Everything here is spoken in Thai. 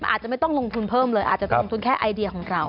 อาจจะไม่ต้องลงทุนเพิ่มเลยอาจจะไปลงทุนแค่ไอเดียของเรา